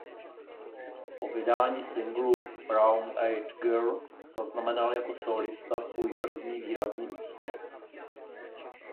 Po vydání singlu „Brown Eyed Girl“ zaznamenal jako sólista svůj první výrazný úspěch.